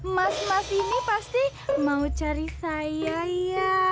mas mas ini pasti mau cari saya ya